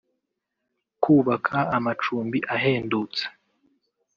kubaka amacumbi ahendutse